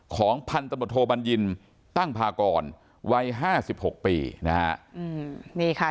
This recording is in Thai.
ของพันตำรวจโทบัญญินตั้งพากรวัยห้าสิบหกปีนะฮะอืมนี่ค่ะ